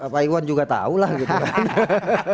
pak iwan juga tau lah gitu